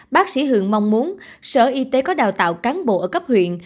bác sĩ hường mong muốn sở y tế có đào tạo cán bộ ở cấp huyện